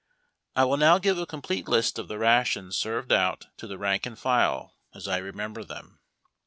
I will now give a complete list of the rations served out to the rank and file, as I remember them.